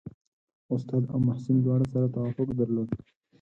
استاد او محصل دواړو سره توافق درلود.